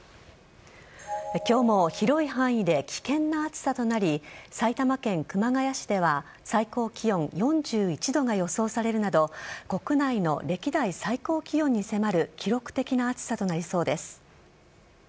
きょうも広い範囲で危険な暑さとなり、埼玉県熊谷市では最高気温４１度が予想されるなど、国内の歴代最高気温に迫る記録的な暑さとなりそうです。